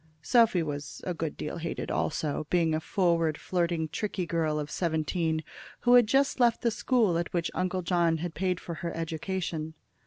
Sophy was a good deal hated also, being a forward, flirting, tricky girl of seventeen, who had just left the school at which Uncle John had paid for her education.